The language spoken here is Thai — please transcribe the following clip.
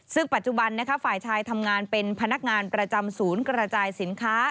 ซึ่งปัจจุบันฝ่ายชายทำงานเป็นพนักงานประจำศูนย์กระจายสินค้า